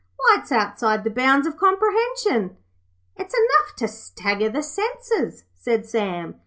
Why, it's outside the bounds of comprehension!' 'It's enough to stagger the senses,' said Sam.